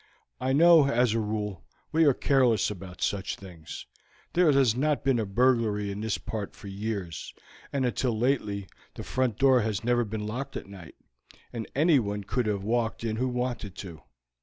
I know, as a rule, we are careless about such things; there has not been a burglary in this part for years, and until lately the front door has never been locked at night, and anyone could have walked in who wanted to.